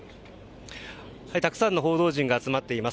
たくさんの報道陣が集まっています。